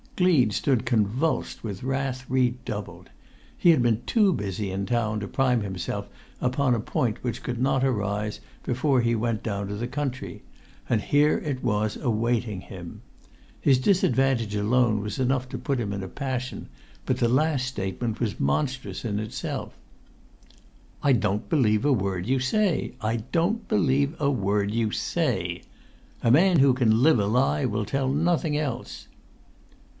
Gleed stood convulsed with wrath redoubled. He had been too busy in town to prime himself upon a point which could not arise before he went down to the country; and here it was, awaiting him. His disadvantage alone was enough to put him in a passion; but the last statement was monstrous in itself. "I don't believe it! I don't believe a word you say! A man who can live a lie will tell nothing else!"